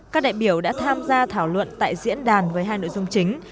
các đại biểu đã tham gia thảo luận tại diễn đàn với hai nội dung chính